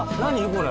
これ。